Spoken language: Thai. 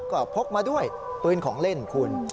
ก็พกมาด้วยปืนของเล่นคุณ